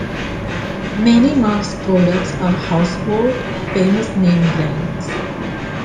Many Mars products are household, famous-name brands.